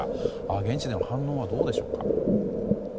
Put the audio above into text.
現地での反応はどうでしょうか？